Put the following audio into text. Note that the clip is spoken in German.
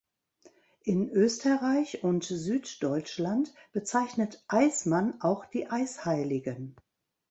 In Österreich und Süddeutschland bezeichnet "Eismann" auch die Eisheiligen.